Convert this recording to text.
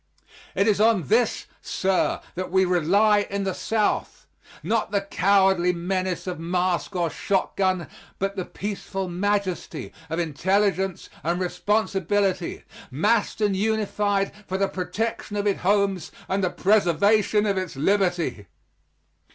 It is on this, sir, that we rely in the South. Not the cowardly menace of mask or shotgun, but the peaceful majesty of intelligence and responsibility, massed and unified for the protection of its homes and the preservation of its liberty.